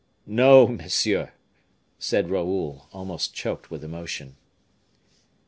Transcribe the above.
"No, monsieur," said Raoul, almost choked with emotion.